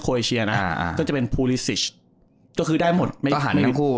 โคอเชียนะอ่าจากนั้นก็จะเป็นคือได้หมดต้องหาทั้งคู่